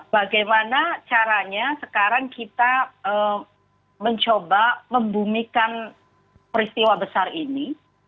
bagaimana caranya sekarang kita mencoba membumikan peristiwa besar ini